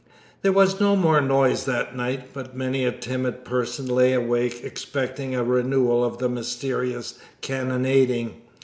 There was no more noise that night, but many a timid person lay awake expecting a renewal of the mysterious cannonading.